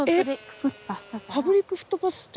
パブリック・フットパスって？